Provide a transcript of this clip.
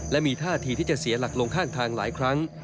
และมีท่าทีที่จะเสียหลักลงข้างทางหลายครั้ง